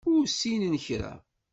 Ur ssinen kra.